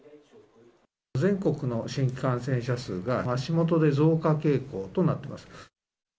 全国の新規感染者数が、足元で増加傾向となっています。